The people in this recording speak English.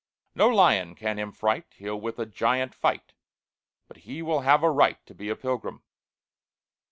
No lion can him fright; He'll with a giant fight, But he will have a right To be a pilgrim.